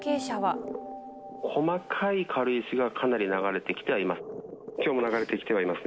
細かい軽石がかなり流れてきてはいます。